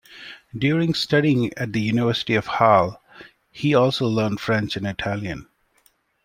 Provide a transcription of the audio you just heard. During studying at the University of Halle, he also learned French and Italian.